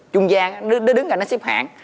trung gian nó đứng ra nó xếp hạn